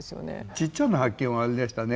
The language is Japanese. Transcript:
ちっちゃな発見はあれでしたね